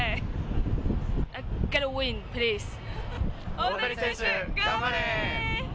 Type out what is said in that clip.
大谷選手、頑張れー！